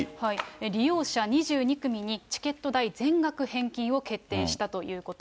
利用者２２組にチケット代全額返金を決定したということ。